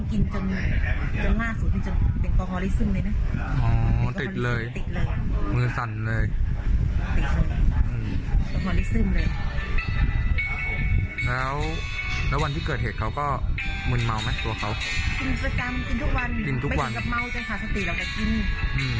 กินประจำกินทุกวันกินทุกวันไม่กินกับเมาท์จนขาดสติแล้วแต่กินอืม